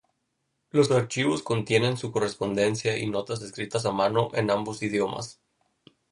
Los archivos contienen su correspondencia y notas escritas a mano en ambos idiomas.